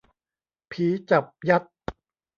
ผีจับยัด